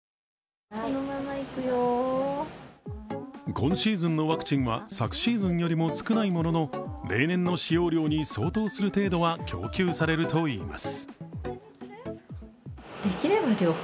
今シーズンのワクチンは昨シーズンよりも少ないものの、例年の使用量に相当する程度は供給されるといいます。